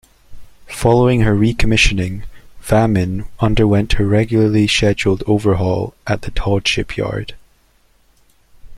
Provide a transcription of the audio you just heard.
Following her recommissioning, "Vammen" underwent her regularly scheduled overhaul at the Todd Shipyard.